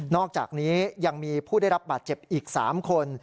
อกจากนี้ยังมีผู้ได้รับบาดเจ็บอีก๓คน